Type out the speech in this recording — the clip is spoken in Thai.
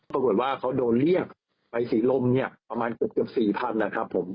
ปรากฏว่าเขาโดนเรียกไปศรีลมเนี่ยประมาณเกือบ๔๐๐๐นะครับผม